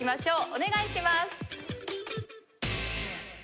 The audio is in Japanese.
お願いします。